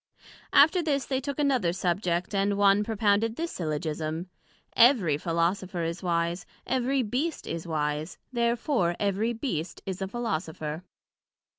After this they took another subject, and one propounded this Syllogism: Every Philosopher is wise: Every Beast is wise, Therefore every Beast is a Philosopher.